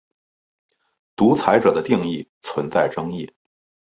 独裁者的定义存在争议。